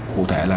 cụ thể là